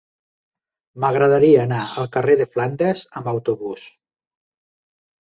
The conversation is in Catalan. M'agradaria anar al carrer de Flandes amb autobús.